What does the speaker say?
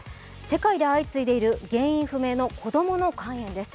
世界で相次いでいる原因不明の子供の肝炎です。